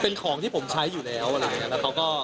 เป็นของที่ผมใช้อยู่แล้วอะไรอย่างนี้